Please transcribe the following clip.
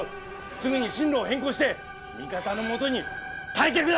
すぐに進路を変更して味方のもとに退却だ！